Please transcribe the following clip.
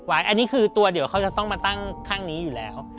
อันนี้คือตัวเดียวเขาจะต้องมาตั้งข้างนี้อยู่แล้ว